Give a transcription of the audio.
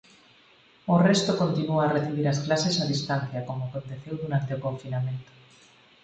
O resto continúa a recibir as clases a distancia, como aconteceu durante o confinamento.